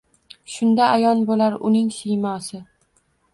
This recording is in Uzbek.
Shunda Ayon bo’lar uning siymosi